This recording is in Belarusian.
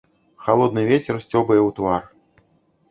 Халодны вецер сцёбае ў твар.